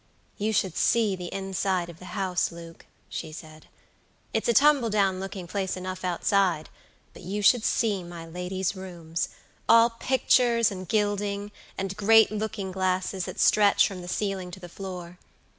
"You should see the inside of the house, Luke," she said; "it's a tumbledown looking place enough outside; but you should see my lady's roomsall pictures and gilding, and great looking glasses that stretch from the ceiling to the floor.